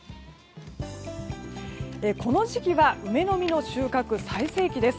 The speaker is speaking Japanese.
この時期は梅の実の収穫の最盛期です。